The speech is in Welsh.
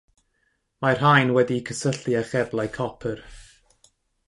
Mae'r rhain wedi'u cysylltu â cheblau copr.